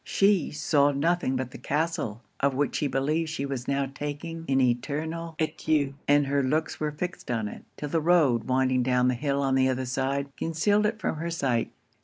She saw nothing but the castle, of which she believed she was now taking an eternal adieu; and her looks were fixed on it, 'till the road winding down the hill on the other side, concealed it from her sight.